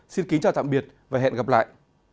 xin kính chào tạm biệt và hẹn gặp lại